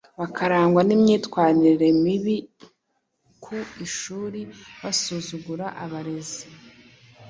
bakarangwa n’imyitwarire mibi ku ishuri, basuzugura abarezi,